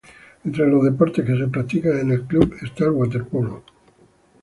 Entre los deportes que se practican en el club está el waterpolo.